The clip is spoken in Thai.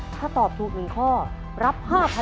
ถ้าตอบถูก๑ข้อรับ๕๐๐๐